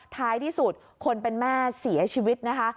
ท้ายที่สุดคนเป็นแม่เสียชีวิตนะคะ